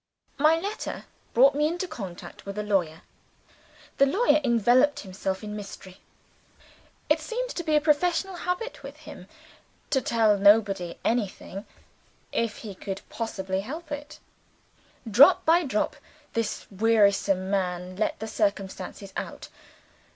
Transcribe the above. My letter brought me into contact with a lawyer. The lawyer enveloped himself in mystery. It seemed to be a professional habit with him to tell nobody anything, if he could possibly help it. Drop by drop, this wearisome man let the circumstances out.